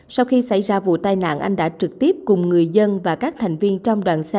sau khi xảy ra vụ tai nạn anh đã trực tiếp cùng người dân và các thành viên trong đoàn xe